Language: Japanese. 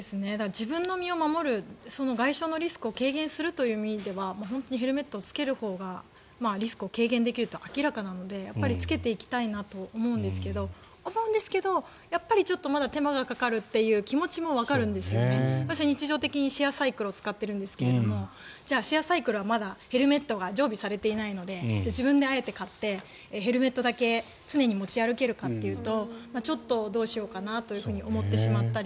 自分の身を守る外傷のリスクを軽減するという意味ではヘルメットをつけるほうがリスクを軽減できるというのは明らかなのでつけていきたいなと思うんですけどやっぱりちょっと手間がかかるという気持ちも日常的にシェアサイクルを使ってるんですがじゃあシェアサイクルはヘルメットが常備されていないので自分で買ってヘルメットだけ常に持ち歩けるかというとちょっとどうしようかなと思ってしまったり。